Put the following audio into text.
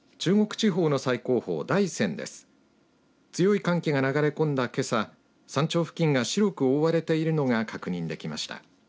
強い寒気が流れ込んだけさ山頂付近が白く覆われているのが確認できました。